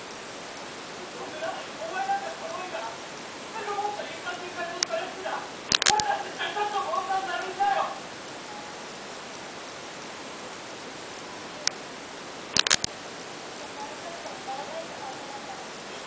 そんでなお前なんかちょろいからすぐもっといい感じに改造されるしな俺だってちゃちゃっと坊さんなれんだよ！三生ずっとなりたくてもなれないって感じだったの？